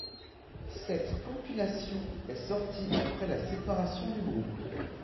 Cette compilation est sortie après la séparation du groupe.